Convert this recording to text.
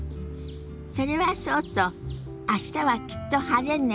それはそうと明日はきっと晴れね。